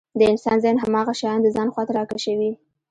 د انسان ذهن هماغه شيان د ځان خواته راکشوي.